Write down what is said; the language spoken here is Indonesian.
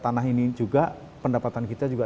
tanah ini juga pendapatan kita juga